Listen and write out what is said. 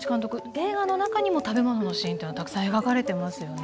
映画の中にも食べ物のシーンっていうのはたくさん描かれてますよね。